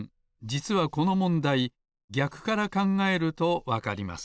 じつはこのもんだいぎゃくからかんがえるとわかります。